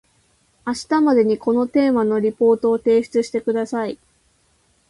明日までにこのテーマのリポートを提出してください